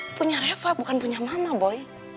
jadi ini punya reva bukan punya mama boy